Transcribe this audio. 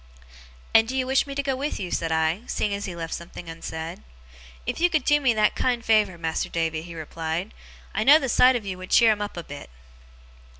'And do you wish me to go with you?' said I, seeing that he left something unsaid. 'If you could do me that kind favour, Mas'r Davy,' he replied. 'I know the sight on you would cheer 'em up a bit.